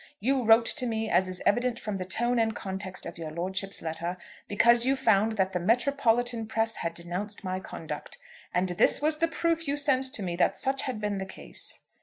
You wrote to me, as is evident from the tone and context of your lordship's letter, because you found that the metropolitan press had denounced my conduct. And this was the proof you sent to me that such had been the case!